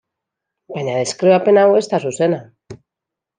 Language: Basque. Baina deskribapen hau ez da zuzena.